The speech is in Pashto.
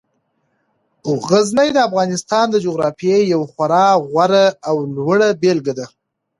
غزني د افغانستان د جغرافیې یوه خورا غوره او لوړه بېلګه ده.